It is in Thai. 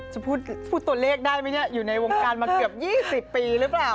จะพูดตัวเลขได้ไหมเนี่ยอยู่ในวงการมาเกือบ๒๐ปีหรือเปล่า